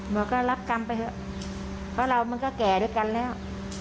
บอกว่ารับกรรมไปเถอะเพราะเรามันก็แก่ด้วยกันแล้ว